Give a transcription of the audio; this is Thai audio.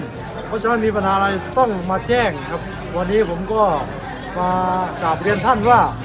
เพราะฉะนั้นมีปัญหาอะไรต้องมาแจ้งครับวันนี้ผมก็มากราบเรียนท่านว่า